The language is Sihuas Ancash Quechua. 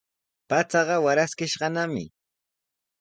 Pachaqa waraskishqanami.